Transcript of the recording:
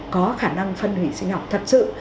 có khả năng phân hủy sinh học thật sự